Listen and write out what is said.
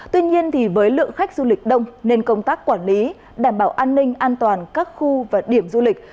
tuy nhiên với lượng khách du lịch đông nên công tác quản lý đảm bảo an ninh an toàn các khu và điểm du lịch